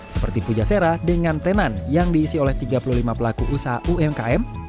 seperti pujasera dengan tenan yang diisi oleh tiga puluh lima pelaku usaha umkm